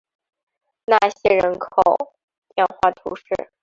纳谢人口变化图示